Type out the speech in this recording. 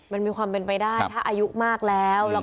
มันมีความเป็นไปได้ถ้าอายุมากแล้ว